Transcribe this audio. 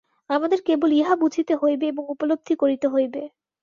আমাদের কেবল ইহা বুঝিতে হইবে এবং উপলব্ধি করিতে হইবে।